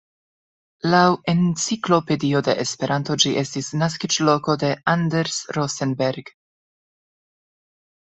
Laŭ Enciklopedio de Esperanto, ĝi estis naskiĝloko de Anders Rosenberg.